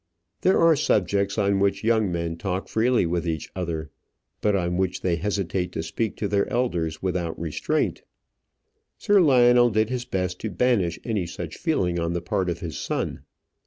There are subjects on which young men talk freely with each other, but on which they hesitate to speak to their elders without restraint. Sir Lionel did his best to banish any such feeling on the part of his son.